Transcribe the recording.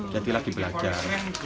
jadi lagi belajar